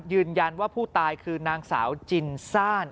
ยืนยันว่าผู้ตายคือนางสาวจินซ่าน